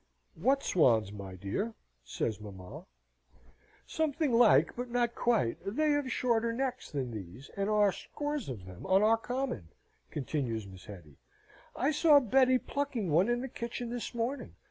"What swans, my dear?" says mamma. "Something like, but not quite. They have shorter necks than these, and are, scores of them, on our common," continues Miss Hetty. "I saw Betty plucking one in the kitchen this morning.